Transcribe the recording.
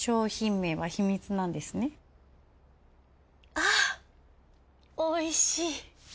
あおいしい。